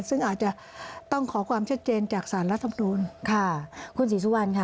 ซึ่งอาจจะต้องขอความชัดเจนจากสารรัฐมนูลค่ะคุณศรีสุวรรณค่ะ